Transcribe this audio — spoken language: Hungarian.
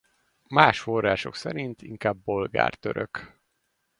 Más források szerint inkább bolgár-török.